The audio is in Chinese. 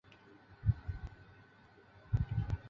紫红鞘薹草为莎草科薹草属的植物。